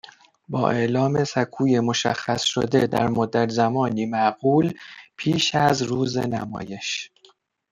با اعلام سکوی مشخّصشده در مدّت زمانی معقول پیش از روز نمایش